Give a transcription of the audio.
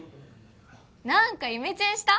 何かイメチェンした？